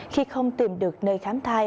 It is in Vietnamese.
khi không tìm được nơi khám thai